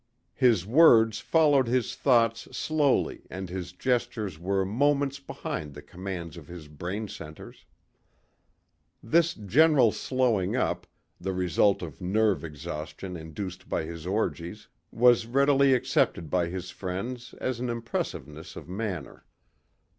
His words followed his thoughts slowly and his gestures were moments behind the commands of his brain centers. This general slowing up, the result of nerve exhaustion induced by his orgies, was readily accepted by his friends as an impressiveness of manner.